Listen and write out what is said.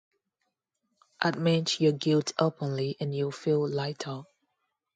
Admit your guilt openly, and you will feel lighter.